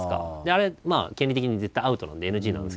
あれ権利的に絶対アウトなんでＮＧなんですけど。